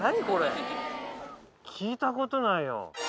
これ聞いたことないよ